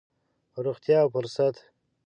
روغتيا او فرصت.